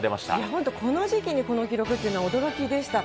本当、この時期にこの記録っていうのは、驚きでした。